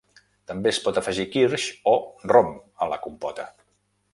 També es pot afegir kirsch o rom a la compota.